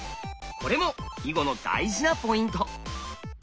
これも囲碁の大事なポイント。